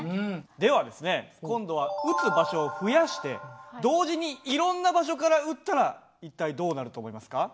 ではですね今度は撃つ場所を増やして同時にいろんな場所から撃ったら一体どうなると思いますか？